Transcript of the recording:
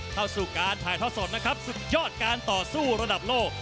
เข้าสู่การถ่ายทอดสดนะครับสุดยอดการต่อสู้ระดับโลก